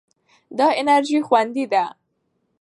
دا انرژي خوندي ده.